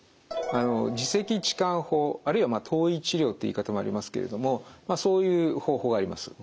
耳石置換法あるいは頭位治療って言い方もありますけれどもそういう方法があります。